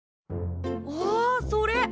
あっそれ！